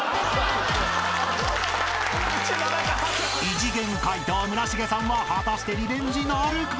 ［異次元解答村重さんは果たしてリベンジなるか？］